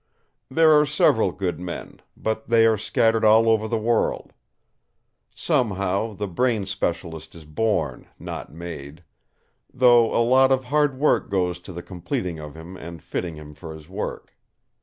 "There are several good men; but they are scattered all over the world. Somehow, the brain specialist is born, not made; though a lot of hard work goes to the completing of him and fitting him for his work.